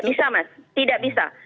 bisa mas tidak bisa